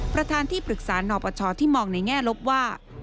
ประธานที่ปรึกษานปชที่มองในแง่ลบว่า